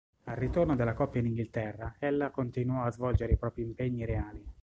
Al ritorno della coppia in Inghilterra ella continuò a svolgere i propri impegni reali.